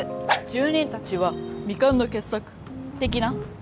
「住人達は未完の傑作」的な？